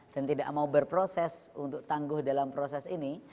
dan tidak mau berproses untuk tangguh dalam proses ini